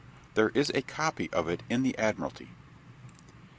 There is a copy of it in the Admiralty.